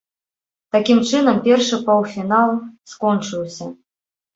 Такім чынам першы паўфінал скончыўся.